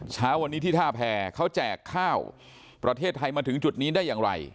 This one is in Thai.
เช้าวันนี้ที่ท่าแพรเขาแจกข้าวประเทศไทยมาถึงจุดนี้ได้อย่างไร